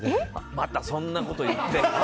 またそんなこと言って。